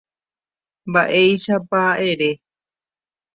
Mba'éichapa ere.